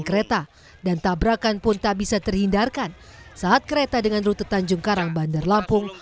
kereta dan tabrakan pun tak bisa terhindarkan saat kereta dengan rute tanjung karang bandar lampung